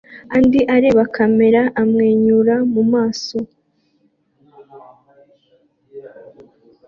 andi areba kamera amwenyura mu maso